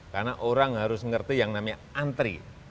karena orang harus mengerti yang namanya antri